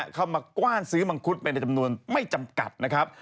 เข้ามากว้านซื้อมังคุดไปในจำนวนไม่จำกัดนะครับ